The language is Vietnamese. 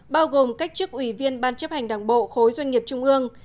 bao gồm cách chức ủy viên ban chấp hành đảng bộ khối doanh nghiệp trung ương